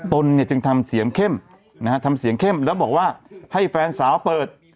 ตนเนี่ยจึงทำเสียงเข้มนะฮะทำเสียงเข้มแล้วบอกว่าให้แฟนสาวเปิด